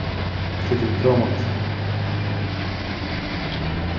Και την τρόμαξα